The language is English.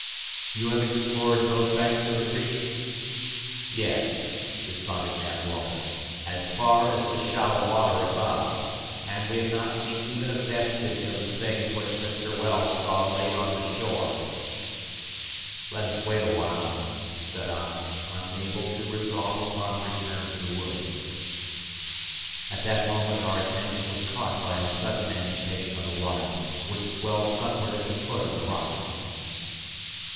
"You have explored both banks of the Creek?" "Yes," responded Nab Walker, "as far as the shallow water above; and we have not seen even a vestige of the things which Mr. Wells saw laid on the shore." "Let us wait awhile," said I, unable to resolve upon a return to the woods. At that moment our attention was caught by a sudden agitation of the waters, which swelled upward at the foot of the rocks.